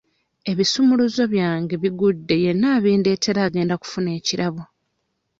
Ebisumuluzo byange bigudde yenna abindeetera agenda kufuna ekirabo.